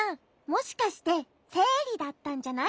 もしかしてせいりだったんじゃない？